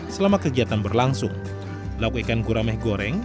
selama kegiatan berlangsung laku ikan gurameh goreng ayam panggang